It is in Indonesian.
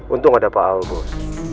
untung gak ada pak al bos